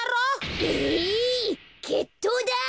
えいけっとうだ！